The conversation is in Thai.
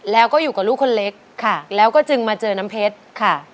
แล้วก็อยู่กับลูกคนเล็กค่ะแล้วก็จึงมาเจอน้ำเพชรค่ะ